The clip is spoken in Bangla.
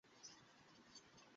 এটি জেসের লাশ না।